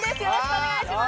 お願いします！